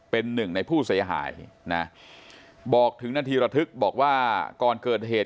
เป็นหนึ่งในผู้เสียหายนะบอกถึงนาทีระทึกบอกว่าก่อนเกิดเหตุ